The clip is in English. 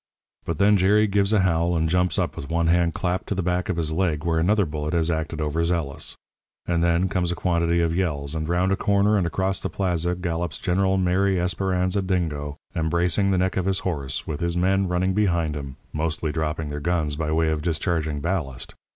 "But then Jerry gives a howl and jumps up with one hand clapped to the back of his leg where another bullet has acted over zealous. And then comes a quantity of yells, and round a corner and across the plaza gallops General Mary Esperanza Dingo embracing the neck of his horse, with his men running behind him, mostly dropping their guns by way of discharging ballast.